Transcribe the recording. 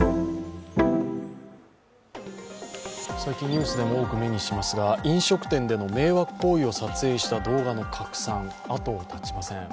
最近ニュースでも目にしますが飲食店での迷惑行為を撮影した動画の拡散が後を絶ちません。